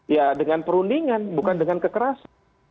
ya dengan perundingan bukan dengan kekerasan